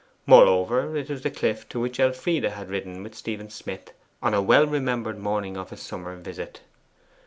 Moreover, it was the cliff to which Elfride had ridden with Stephen Smith, on a well remembered morning of his summer visit.